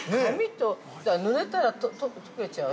ぬれたら溶けちゃう？